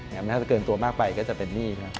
ถ้าเกินตัวมากไปก็จะเป็นหนี้